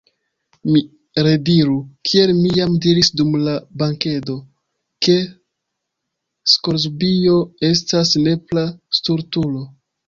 Mi rediru, kiel mi jam diris dum la bankedo, ke Skorzbio estas nepra stultulo.